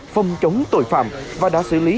phòng chống tội phạm và đã xử lý